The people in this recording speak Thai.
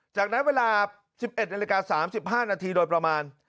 จากนั้นเวลา๑๑นาฬิกา๓๕นาทีโดยประมาณ